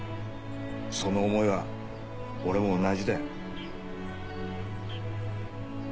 その思いは俺も同じだよ。